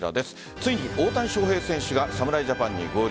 ついに大谷翔平選手が侍ジャパンに合流。